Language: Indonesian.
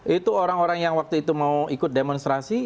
itu orang orang yang waktu itu mau ikut demonstrasi